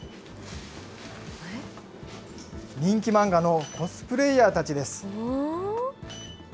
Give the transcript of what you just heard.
人気漫画のコスプレイヤーたちです。